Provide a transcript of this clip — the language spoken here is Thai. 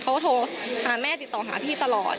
เขาก็โทรหาแม่ติดต่อหาพี่ตลอด